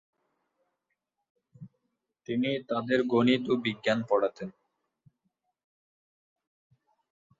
তিনি তাদের গণিত ও বিজ্ঞান পড়াতেন।